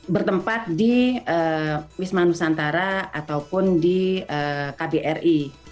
bertempat di wisma nusantara ataupun di kbri